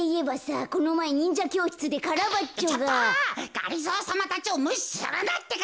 がりぞーさまたちをむしするなってか。